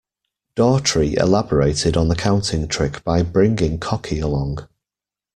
Daughtry elaborated on the counting trick by bringing Cocky along.